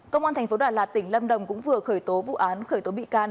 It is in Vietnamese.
công an tp đà lạt tỉnh lâm đồng cũng vừa khởi tố vụ án khởi tố bị can